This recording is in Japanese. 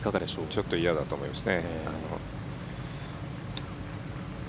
ちょっと嫌だと思います。